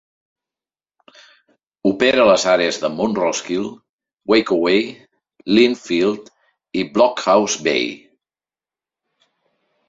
Opera a les àrees de Mount Roskill, Waikowhai, Lynfield i Blockhouse Bay.